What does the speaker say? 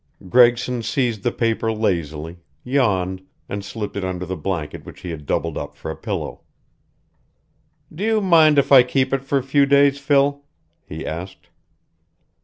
Gregson seized the paper lazily, yawned, and slipped it under the blanket which he had doubled up for a pillow. "Do you mind if I keep it for a few days. Phil?" he asked.